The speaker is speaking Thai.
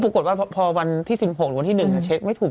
ปรากฏว่าพอวันที่๑๖หรือวันที่๑เช็คไม่ถูก